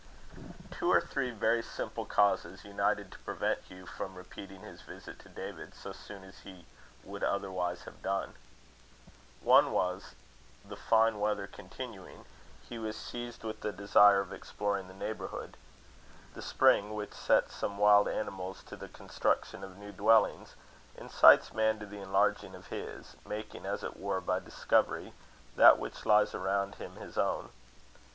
Two or three very simple causes united to prevent Hugh from repeating his visit to David so soon as he would otherwise have done. One was, that, the fine weather continuing, he was seized with the desire of exploring the neighbourhood. The spring, which sets some wild animals to the construction of new dwellings, incites man to the enlarging of his, making, as it were, by discovery, that which lies around him his own.